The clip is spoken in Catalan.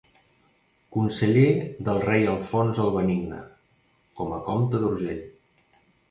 Conseller del rei Alfons el Benigne, com a comte d'Urgell.